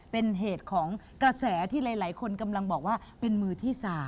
เป็นเหตุของกระแสที่หลายคนกำลังบอกว่าเป็นมือที่๓